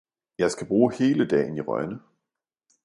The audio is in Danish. Jeg skal bruge hele dagen i Rønne